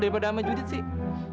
daripada sama judit sih